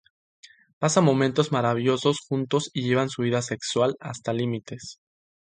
Pasan momentos maravillosos juntos y llevan su vida sexual hasta límites...